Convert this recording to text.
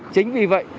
chính vì vậy